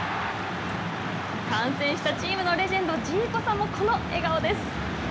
観戦したチームのレジェンドジーコさんもこの笑顔です。